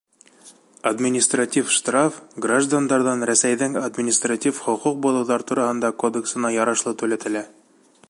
Административ штраф граждандарҙан Рәсәйҙең Административ хоҡуҡ боҙоуҙар тураһында кодексына ярашлы түләтелә.